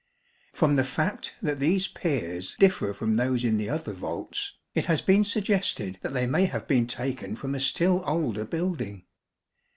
From the fact that these piers differ from those in the other vaults, it has been suggested that they may have been taken from a still older building.